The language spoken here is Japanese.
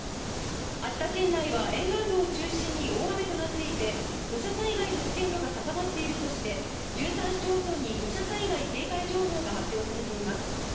秋田県内は沿岸部を中心に大雨となっていて、土砂災害の危険度が高まっているとして、１３市町村に土砂災害警戒情報が発表されています。